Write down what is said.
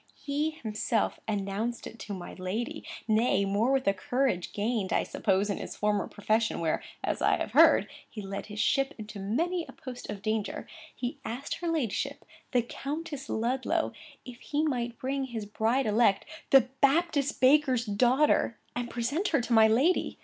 He himself announced it to my lady; nay, more, with a courage, gained, I suppose, in his former profession, where, as I have heard, he had led his ship into many a post of danger, he asked her ladyship, the Countess Ludlow, if he might bring his bride elect, (the Baptist baker's daughter!) and present her to my lady!